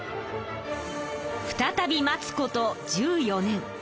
再び待つこと１４年。